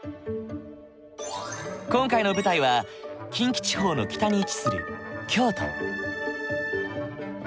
今回の舞台は近畿地方の北に位置する京都。